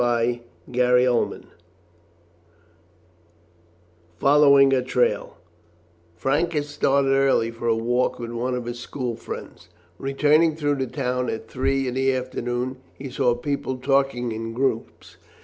CHAPTER V FOLLOWING A TRAIL Frank had started early for a walk with one of his school friends. Returning through the town at three in the afternoon, he saw people talking in groups.